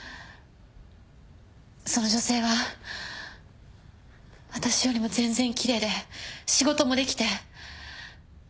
その女性は私よりも全然奇麗で仕事もできて。